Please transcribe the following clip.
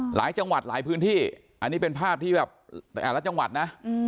หลายจังหวัดหลายพื้นที่อันนี้เป็นภาพที่แบบแต่ละจังหวัดนะ